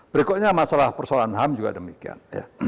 berikutnya masalah persoalan ham juga demikian ya